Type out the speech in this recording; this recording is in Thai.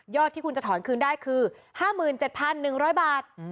ที่คุณจะถอนคืนได้คือ๕๗๑๐๐บาท